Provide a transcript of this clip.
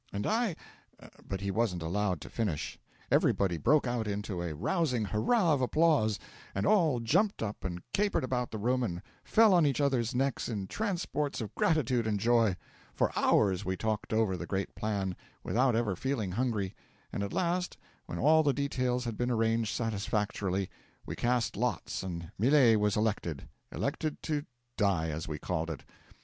And I " 'But he wasn't allowed to finish. Everybody broke out into a rousing hurrah of applause; and all jumped up and capered about the room and fell on each other's necks in transports of gratitude and joy. For hours we talked over the great plan, without ever feeling hungry; and at last, when all the details had been arranged satisfactorily, we cast lots and Millet was elected elected to die, as we called it.